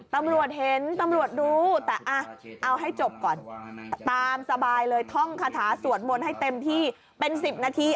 ตำรวจเห็นตำรวจรู้แต่เอาให้จบก่อนตามสบายเลยท่องคาถาสวดมนต์ให้เต็มที่เป็น๑๐นาที